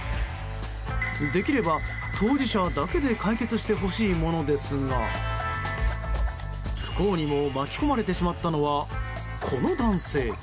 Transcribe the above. できれば当事者だけで解決してほしいものですが不幸にも巻き込まれてしまったのはこの男性。